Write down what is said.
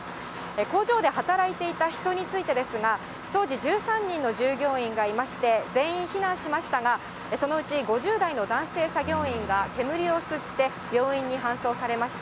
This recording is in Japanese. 工場で働いていた人についてですが、当時、１３人の従業員がいまして、全員避難しましたが、そのうち５０代の男性作業員が煙を吸って、病院に搬送されました。